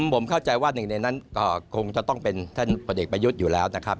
ผมเข้าใจว่าหนึ่งในนั้นก็คงจะต้องเป็นท่านผลเอกประยุทธ์อยู่แล้วนะครับ